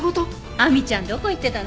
亜美ちゃんどこ行ってたの？